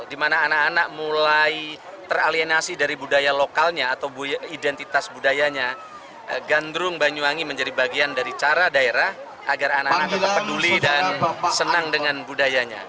di mana anak anak mulai teralienasi dari budaya lokalnya atau identitas budayanya